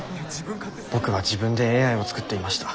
僕は自分でＡＩを作っていました。